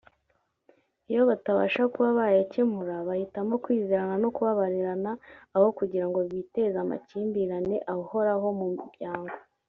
iyo batabasha kuba bayakemura bahitamo kwizerana no kubabarirana aho kugirango biteze amakimbirane ahoraho mu muryango